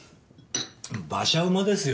馬車馬ですよ。